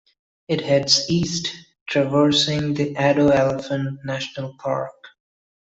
It heads east, traversing the Addo Elephant National Park.